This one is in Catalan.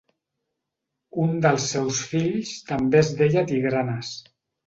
Un dels seus fills també es deia Tigranes.